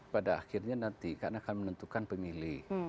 pada akhirnya nanti karena akan menentukan pemilih